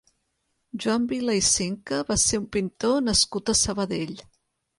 Joan Vila i Cinca va ser un pintor nascut a Sabadell.